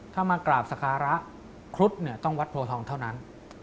ถ้ามากราบสการะครุฑเนี่ยต้องวัดโพทองเท่านั้น